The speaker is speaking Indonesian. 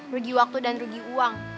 rugi waktu dan rugi uang